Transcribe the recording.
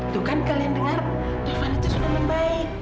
tuh kan kalian dengar tuhan itu sudah membaik